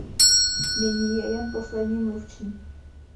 Nyní je jen poslední mluvčí.